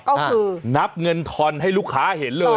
ก็คือนับเงินทอนให้ลูกค้าเห็นเลย